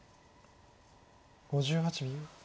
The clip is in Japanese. ５８秒。